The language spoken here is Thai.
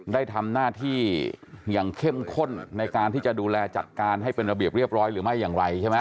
ได้ทำหน้าที่อย่างเข้มข้นในการที่จะดูแลจัดการให้เป็นระเบียบเรียบร้อยหรือไม่อย่างไรใช่ไหม